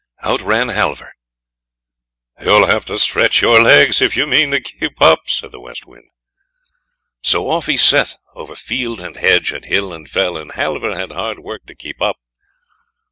Out ran Halvor. "You'll have to stretch your legs if you mean to keep up," said the West Wind. So off he set over field and hedge, and hill and fell, and Halvor had hard work to keep up.